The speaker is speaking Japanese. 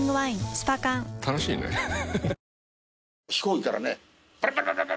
スパ缶楽しいねハハハ